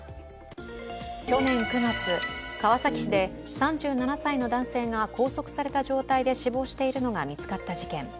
去年９月、川崎市で３７歳の男性が拘束された状態で死亡しているのが見つかった事件。